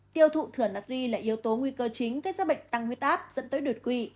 tiêu thụ thửa nắc ri là yếu tố nguy cơ chính gây ra bệnh tăng huyết áp dẫn tới đột quỵ